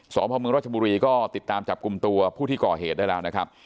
พระมงรัชบุรีก็ติดตามจับกลุ่มตัวผู้ที่ก่อเหตุได้แล้วนะครับ